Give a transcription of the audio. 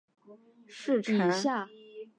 历任大理寺丞。